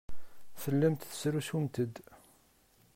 Tellamt tettrusumt-d.